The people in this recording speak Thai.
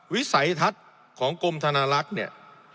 วิสัยทัศน์ของกรมธนาลักษณ์เนี่ย